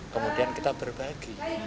kemudian kita berbagi